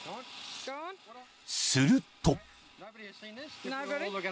［すると］